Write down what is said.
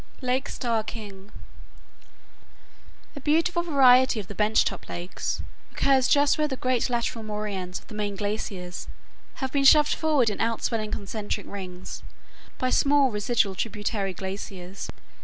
LAKE STARR KING A beautiful variety of the bench top lakes occurs just where the great lateral moraines of the main glaciers have been shoved forward in outswelling concentric rings by small residual tributary glaciers.